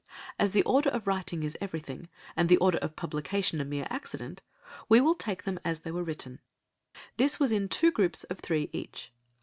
As the order of writing is everything, and the order of publication a mere accident, we will take them as they were written. This was in two groups of three each.